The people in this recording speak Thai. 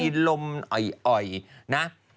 มีลมอ่อยนะ